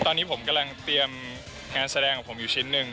ตอนนี้ผมกำลังเตรียมงานแสดงของผมอยู่ชิ้นหนึ่ง